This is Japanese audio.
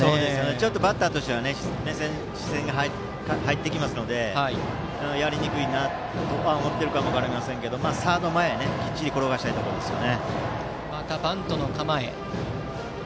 ちょっとバッターとしては視線に入ってきますのでやりにくいなと思っているかもしれませんが、サード前にきっちり転がしたいですね。